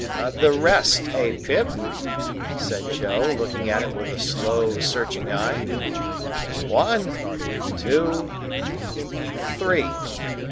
"The rest, eh, Pip?" said Joe, looking at it with a slow, searching eye, "One, two, three.